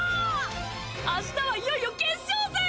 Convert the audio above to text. あしたはいよいよ決勝戦！